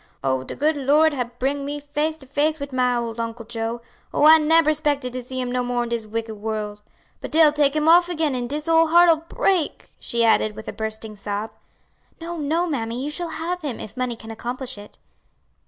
"Oh, de good Lord hab bring me face to face wid my ole Uncle Joe; oh, I neber 'spected to see him no more in dis wicked world. But dey'll take 'im off again an' dis ole heart'll break," she added, with a bursting sob. "No, no, mammy, you shall have him, if money can accomplish it."